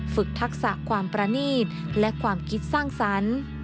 ทักษะความประนีตและความคิดสร้างสรรค์